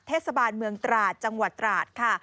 เทศบาลเมืองตราดจังหวัดตราดค่ะ